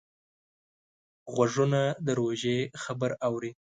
غوږونه د روژې خبر اوري